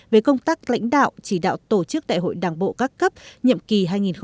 về công tác lãnh đạo chỉ đạo tổ chức đại hội đảng bộ các cấp nhiệm kỳ hai nghìn hai mươi hai nghìn hai mươi năm